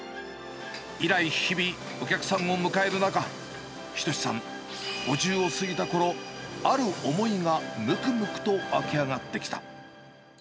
以来、日々、お客さんを迎える中、斎さん、５０を過ぎたころ、ある思いがむくむくと湧き上がってきた。